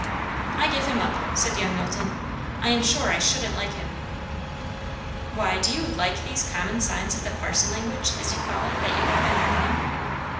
"I give him up," said young Knowlton. "I am sure I shouldn't like him." "Why, do you like these common signs of the 'parson language,' as you call it, that you have been reckoning?"